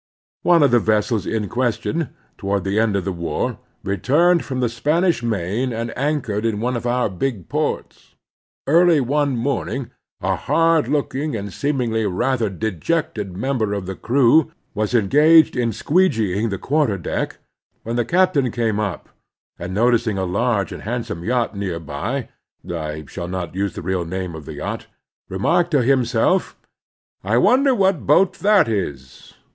One of the vessels in question, toward the end of the war, returned from the Spanish Main and anchored in one of our big ports. Early one morning a hard looking and seemingly rather dejected member of the crew was engaged in " squeegeeing" the quarter deck, when the captain came up and, noticing a large and handsome yacht near by (I shall not use the real name of the yacht) , remarked to himself :I wonder what boat that is